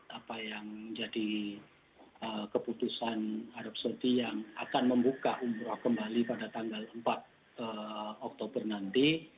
apa yang menjadi keputusan arab saudi yang akan membuka umroh kembali pada tanggal empat oktober nanti